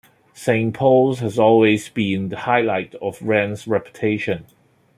Saint Paul's has always been the highlight of Wren's reputation.